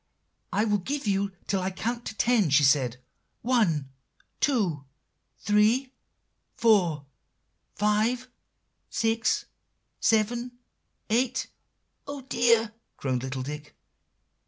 "'I will give you till I can count ten,' she said. 'One two three four five six seven eight'" "Oh, dear!" groaned little Dick.